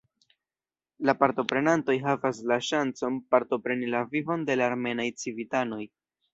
La partoprenantoj havas la ŝancon partopreni la vivon de la armenaj civitanoj.